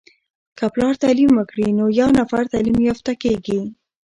که پلار تعليم وکړی نو یو نفر تعليم يافته کیږي.